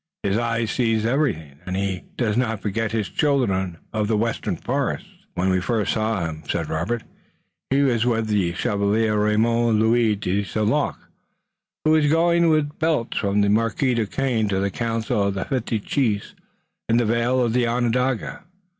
His eye sees everything, and he does not forget his children of the western forests." "When we first saw him," said Robert, "he was with the Chevalier Raymond Louis de St. Luc, who was going with belts from the Marquis Duquesne to the council of the fifty chiefs in the vale of Onondaga.